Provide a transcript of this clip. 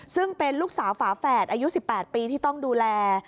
ซึ่งเป็นลูกสาวฝาแฝดอายุ๑๘ปีที่ต้องดูแล